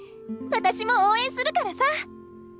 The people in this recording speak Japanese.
私も応援するからさ！